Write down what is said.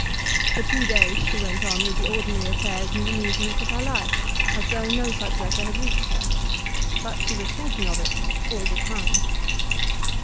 For two days she went on with the ordinary affairs and amusements of her life, as though no such letter had reached her; but she was thinking of it all the time.